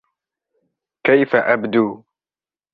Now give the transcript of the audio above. كيف أبدو؟